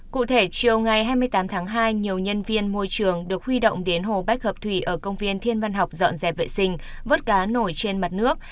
cụ thể chiều ngày hai mươi tám tháng hai nhiều nhân viên môi trường được huy động đến hồ bách hợp thủy ở công viên thiên văn học dọn dẹp vệ sinh vớt cá nổi trên mặt nước